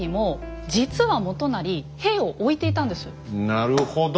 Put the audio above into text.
なるほど！